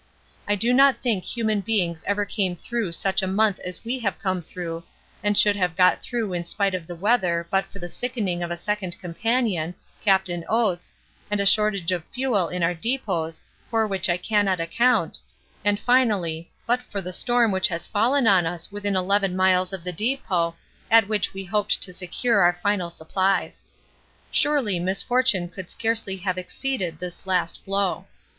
I do not think human beings ever came through such a month as we have come through, and we should have got through in spite of the weather but for the sickening of a second companion, Captain Oates, and a shortage of fuel in our depôts for which I cannot account, and finally, but for the storm which has fallen on us within 11 miles of the depôt at which we hoped to secure our final supplies. Surely misfortune could scarcely have exceeded this last blow.